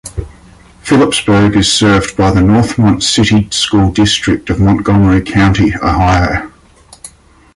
Phillipsburg is served by the Northmont City School District of Montgomery County, Ohio.